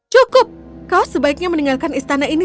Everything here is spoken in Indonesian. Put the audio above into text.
cukup kau sebaiknya meninggalkan istana ini